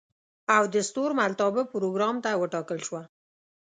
او د ستورملتابه پروګرام ته وټاکل شوه.